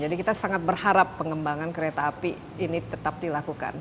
jadi kita sangat berharap pengembangan kereta api ini tetap dilakukan